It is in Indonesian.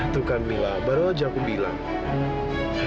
tuh kan mila barulah jangan kubilang